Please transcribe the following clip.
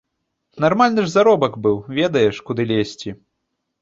Нармальны ж заробак быў, ведаеш, куды лезці.